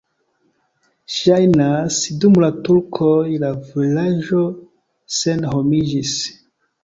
Ŝajnas, dum la turkoj la vilaĝo senhomiĝis.